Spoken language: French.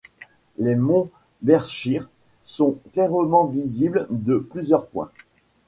Les monts Berkshire sont clairement visibles de plusieurs points.